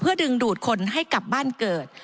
ดึงดูดคนให้กลับบ้านเกิด